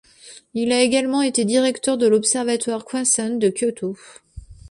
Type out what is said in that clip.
Il a également été directeur de l'observatoire Kwasan de Kyoto.